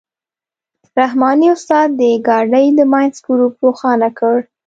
رحماني استاد د ګاډۍ د منځ ګروپ روښانه کړ.